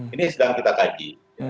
ini sedang kita kaji